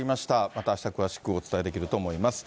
またあした詳しくお伝えできると思います。